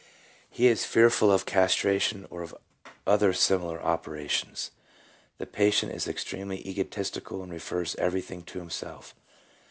1 He is fearful of castration or other similar operations. The patient is extremely egotistical and refers everything to himself.